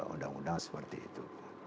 undang undang seperti itu